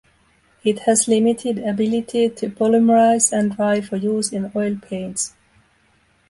It has limited ability to polymerize and dry for use in oil paints.